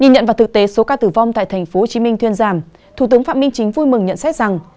nhìn nhận vào thực tế số ca tử vong tại tp hcm thuyên giảm thủ tướng phạm minh chính vui mừng nhận xét rằng